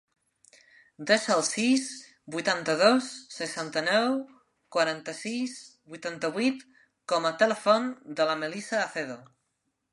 Desa el sis, vuitanta-dos, seixanta-nou, quaranta-sis, vuitanta-vuit com a telèfon de la Melissa Acedo.